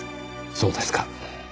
そうですか。